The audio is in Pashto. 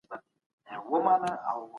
هیڅ علم په یوازي ځان پوره نه دی.